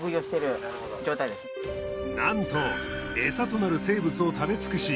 なんとエサとなる生物を食べつくし